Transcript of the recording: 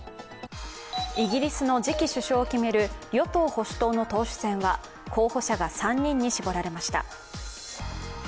イギリスの次期首相を決める与党・保守党の党首選は候補者が３人に絞られました。